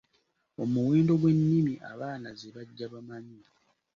Omuwendo gw’ennimi abaana ze bajja bamanyi.